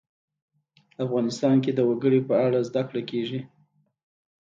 افغانستان کې د وګړي په اړه زده کړه کېږي.